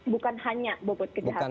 bukan hanya bobot kejahatannya